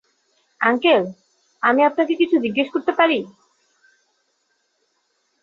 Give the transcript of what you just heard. Uncle আমি আপনাকে কিছু জিজ্ঞাসা করতে পারি?